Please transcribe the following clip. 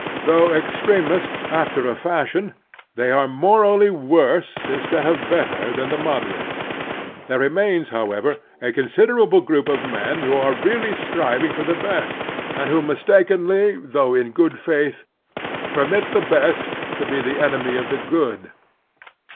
Though extremists after a fashion, they are morally worse instead of better than the mod erates. There remains, however, a considerable group of men who are really striving for the best, and who mistakenly, though in good faith, permit the best to be the enemy of the good.